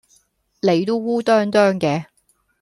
你都烏啄啄嘅